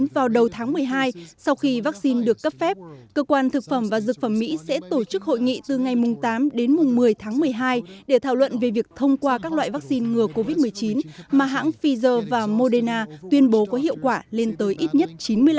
vào đầu tháng một mươi hai sau khi vaccine được cấp phép cơ quan thực phẩm và dược phẩm mỹ sẽ tổ chức hội nghị từ ngày tám đến một mươi tháng một mươi hai để thảo luận về việc thông qua các loại vaccine ngừa covid một mươi chín mà hãng pfizer và moderna tuyên bố có hiệu quả lên tới ít nhất chín mươi năm